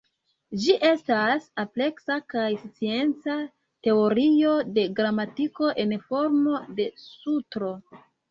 Ĝi estas ampleksa kaj scienca teorio de gramatiko en formo de sutro.